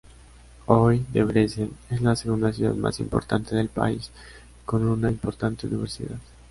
Hoy Debrecen es la segunda ciudad más importante del país, con una importante universidad.